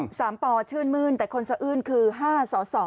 ความป่อชื่นมืนแต่คนสะอื้นคือ๕ส่อ